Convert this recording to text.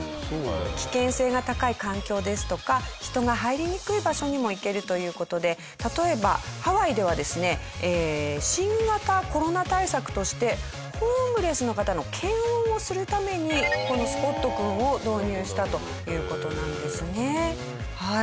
危険性が高い環境ですとか人が入りにくい場所にも行けるという事で例えばハワイではですね新型コロナ対策としてホームレスの方の検温をするためにこのＳＰＯＴ君を導入したという事なんですねはい。